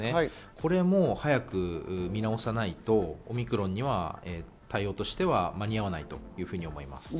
これも早く見直さないと、オミクロンには対応としては間に合わないというふうに思います。